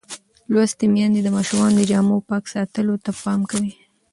لوستې میندې د ماشومانو د جامو پاک ساتلو ته پام کوي.